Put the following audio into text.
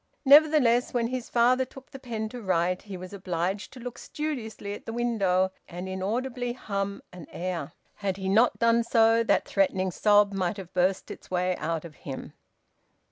Nevertheless when his father took the pen to write he was obliged to look studiously at the window and inaudibly hum an air. Had he not done so, that threatening sob might have burst its way out of him.